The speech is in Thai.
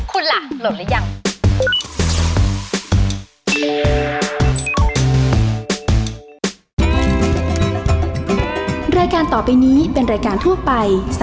คุณล่ะหลดแล้วยัง